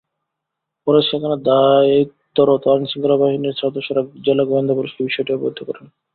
পরে সেখানে দায়িত্বরত আইনশৃঙ্খলা বাহিনীর সদস্যরা জেলা গোয়েন্দা পুলিশকে বিষয়টি অবহিত করেন।